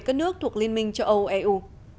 các nước thuộc liên minh cho âu eu